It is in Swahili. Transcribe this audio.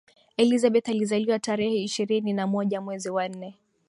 elizabeth alizaliwa tarehe ishirini na moja mwezi wa nne